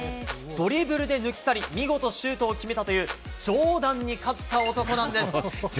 ドリブルで抜き去り、見事シュートを決めたというジョーダンに勝った男なんです。